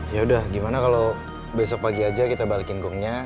yaudah gimana kalau besok pagi aja kita balikin gongnya